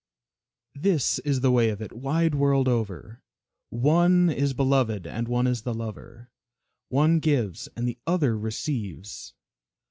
This is the way of it, wide world over, One is beloved, and one is the lover, One gives and the other receives.